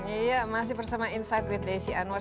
iya masih bersama insight with desi anwar